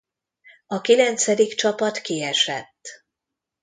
A kilencedik csapat kiesett.